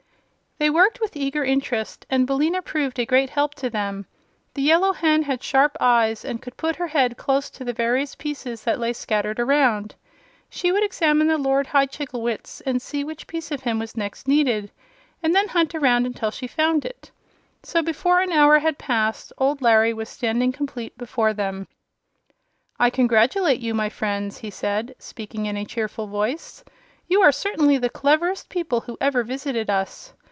They worked with eager interest, and Billina proved a great help to them. The Yellow Hen had sharp eyes and could put her head close to the various pieces that lay scattered around. She would examine the Lord High Chigglewitz and see which piece of him was next needed, and then hunt around until she found it. So before an hour had passed old Larry was standing complete before them. "I congratulate you, my friends," he said, speaking in a cheerful voice. "You are certainly the cleverest people who ever visited us.